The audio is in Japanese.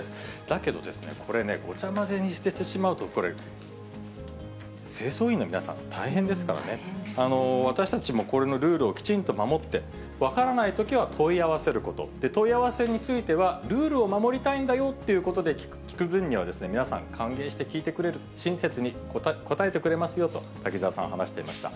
だけど、これね、ごちゃ混ぜにして捨ててしまうと、これ、清掃員の皆さん大変ですからね、私たちもこれのルールをきちんと守って、分からないときは問い合わせること、問い合わせについては、ルールを守りたいんだよということで聞く分には、皆さん、歓迎して聞いてくれる、親切に答えてくれますよと、滝沢さんは話していました。